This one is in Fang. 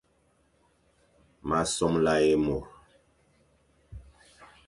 M a somla ye môr.